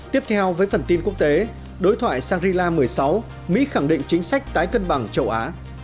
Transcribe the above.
tiếp theo với phần tin quốc tế đối thoại shangri la một mươi sáu mỹ khẳng định chính sách tái cân bằng châu á